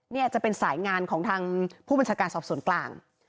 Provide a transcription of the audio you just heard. นี่จะเป็นสายงานของทางผู้บัญชาการสอบสวนกลาง